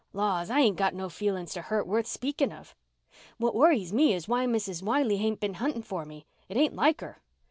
Laws, I ain't got any feelings to hurt worth speaking of. What worries me is why Mrs. Wiley hain't been hunting for me. It ain't like her."